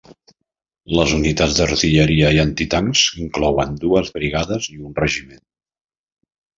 Les unitats d'artilleria i antitancs inclouen dues brigades i un regiment.